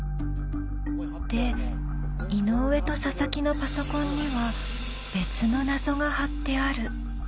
で井上と佐々木のパソコンには別の謎が貼ってある。